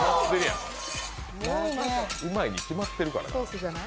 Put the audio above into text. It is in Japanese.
うまいに決まってるからな。